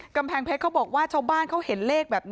กำแพงเพชรเค้าบอกว่าเช้าบ้านเห็นเลข